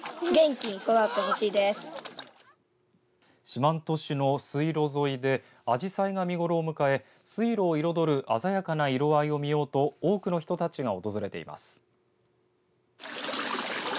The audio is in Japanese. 四万十市の水路沿いでアジサイが見頃を迎え水路を彩る鮮やかな色合いを見ようと多くの人たちが訪れています。